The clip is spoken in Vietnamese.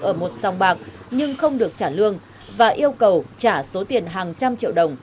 ở một song bạc nhưng không được trả lương và yêu cầu trả số tiền hàng trăm triệu đồng